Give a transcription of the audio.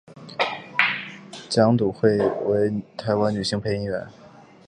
蒋笃慧为台湾女性配音员。